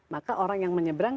maka orang yang menyebrang